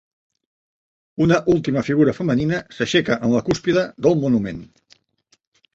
Una última figura femenina s'aixeca en la cúspide del monument.